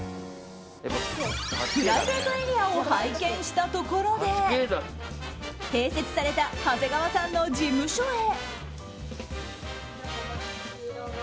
プライベートエリアを拝見したところで併設された長谷川さんの事務所へ。